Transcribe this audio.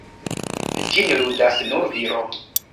Ĝin ludas nur viro.